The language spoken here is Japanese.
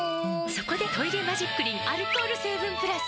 そこで「トイレマジックリン」アルコール成分プラス！